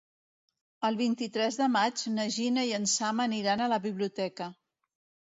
El vint-i-tres de maig na Gina i en Sam aniran a la biblioteca.